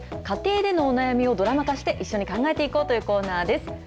家庭でのお悩みをドラマ化して、一緒に考えていこうというコーナーです。